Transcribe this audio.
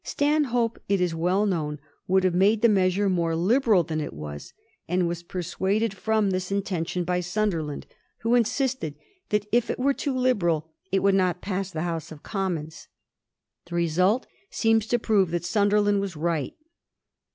Stanhope, it is weU known, would have made the measure more liberal than it was, and was dissuaded fix>m this intention by Simderland, who insisted that if it were too liberal it would not pass the House of Commons. The result seems to prove that Sunderland was right.